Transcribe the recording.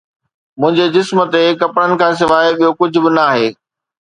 منهنجي جسم تي ڪپڙن کان سواءِ ٻيو ڪجهه به ناهي